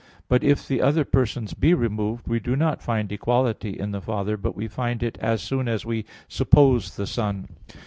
But if the other persons be removed, we do not find equality in the Father, but we find it as soon as we suppose the Son.